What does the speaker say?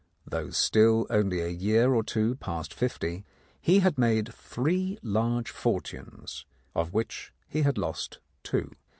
Though still only a year or two past fifty, he had made three large fortunes, of which he had lost two.